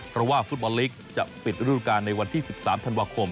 เพราะว่าฟุตบอลลีกจะปิดฤดูการในวันที่๑๓ธันวาคม